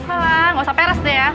alah gak usah peres deh ya